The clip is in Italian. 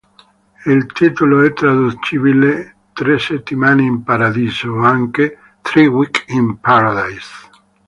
Il titolo è traducibile "tre settimane in paradiso" o anche "tre Week in paradiso".